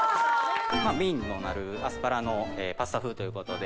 メインとなるアスパラのパスタ風ということで。